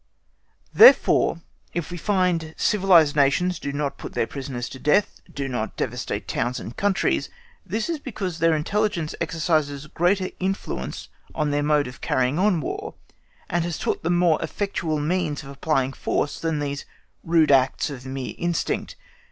Therefore, if we find civilised nations do not put their prisoners to death, do not devastate towns and countries, this is because their intelligence exercises greater influence on their mode of carrying on War, and has taught them more effectual means of applying force than these rude acts of mere instinct.